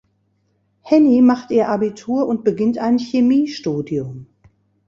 Henny macht ihr Abitur und beginnt ein Chemiestudium.